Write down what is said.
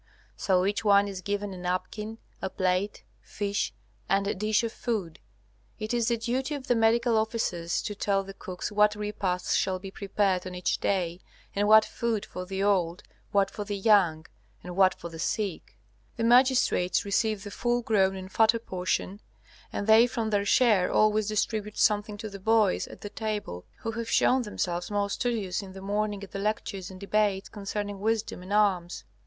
So each one is given a napkin, a plate, fish, and a dish of food. It is the duty of the medical officers to tell the cooks what repasts shall be prepared on each day, and what food for the old, what for the young, and what for the sick. The magistrates receive the full grown and fatter portion, and they from their share always distribute something to the boys at the table who have shown themselves more studious in the morning at the lectures and debates concerning wisdom and arms.